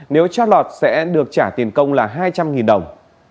nếu chót lọt sẽ được trả tiền công là hai trăm linh đồng